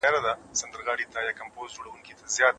هغه ړوند ډاکټر چي په ګڼ ځای کي اوږده کیسه